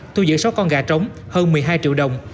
thu giữ sáu con gà trống hơn một mươi hai triệu đồng